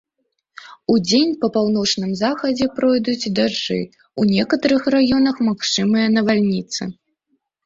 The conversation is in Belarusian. Удзень па паўночным захадзе пройдуць дажджы, у некаторых раёнах магчымыя навальніцы.